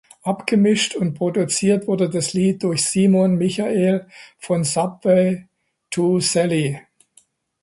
Abgemischt und produziert wurde das Lied durch Simon Michael von Subway to Sally.